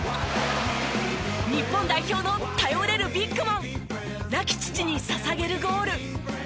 日本代表の頼れるビッグマン亡き父に捧げるゴール。